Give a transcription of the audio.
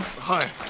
はい。